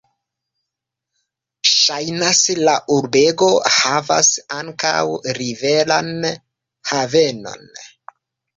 Ŝajnas, la urbego havas ankaŭ riveran havenon.